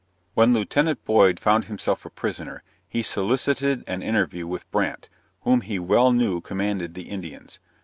When Lieut. Boyd found himself a prisoner, he solicited an interview with Brandt, whom he well knew commanded the Indians.